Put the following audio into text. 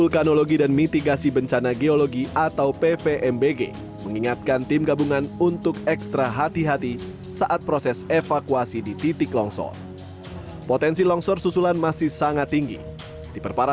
kita sudah ketahui dan ada indikasi bahwa ada korban baru